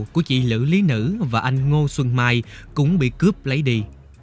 cũng bị cướp lấy đi